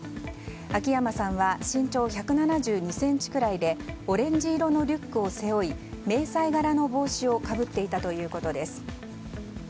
秋山さんは身長１７２ｃｍくらいでオレンジ色のリュックを背負い迷彩柄の帽子をかぶっていたということです。